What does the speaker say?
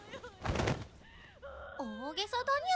大げさだにゃ。